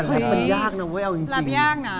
เฮ้ยรับยากนะ